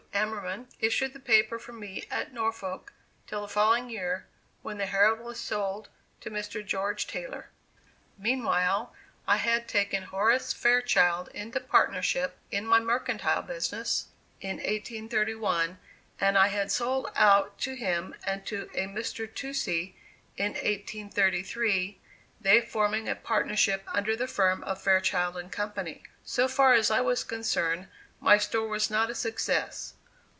Amerman, issued the paper for me at Norwalk till the following year, when the Herald was sold to Mr. George Taylor. Meanwhile, I had taken Horace Fairchild into partnership in my mercantile business, in 1831, and I had sold out to him and to a Mr. Toucey, in 1833, they forming a partnership under the firm of Fairchild & Co. So far as I was concerned my store was not a success.